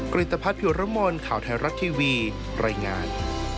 ริตภัทรพิรมลข่าวไทยรัฐทีวีรายงาน